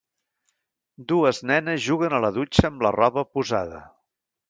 Dues nenes juguen a la dutxa amb la roba posada.